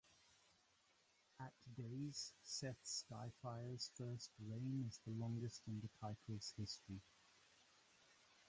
At days, Seth Skyfire's first reign is the longest in the title's history.